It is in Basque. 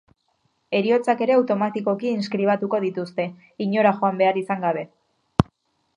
Heriotzak ere automatikoki inskribatuko dituzte, inora joan behar izan gabe.